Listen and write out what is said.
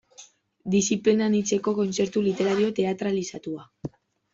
Diziplina anitzeko kontzertu literario teatralizatua.